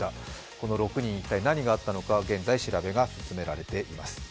この６人に一体何があったのか現在調べが進められています。